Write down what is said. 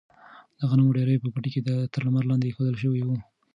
د غنمو ډیرۍ په پټي کې تر لمر لاندې ایښودل شوې وه.